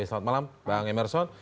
selamat malam bang emerson